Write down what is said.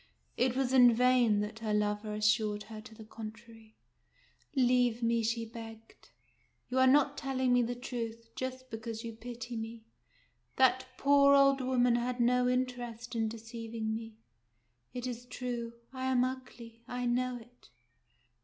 It was in vain that her lover assured her to the contrary. " Leave me," she begged :" you are not telling me the truth, just because you pity me. That poor old woman had no interest in deceiving me. It is true. I am ugly. I know it."